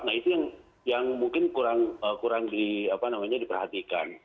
nah itu yang mungkin kurang di apa namanya diperhatikan